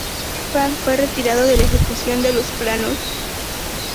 L'Enfant fue retirado de la ejecución de los planos.